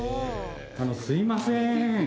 すいません。